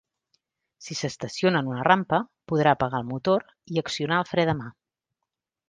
Si s'estaciona en una rampa, caldrà apagar el motor, i accionar el fre de mà.